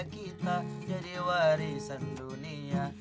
kita jadi warisan dunia